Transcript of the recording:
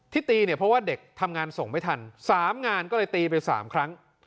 ตีเนี่ยเพราะว่าเด็กทำงานส่งไม่ทัน๓งานก็เลยตีไป๓ครั้ง